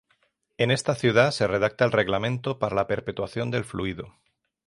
En esta ciudad se redacta el reglamento para la perpetuación del fluido.